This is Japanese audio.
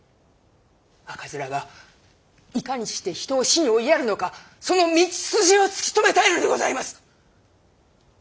赤面がいかにして人を死に追いやるのかその道筋を突き止めたいのでございます。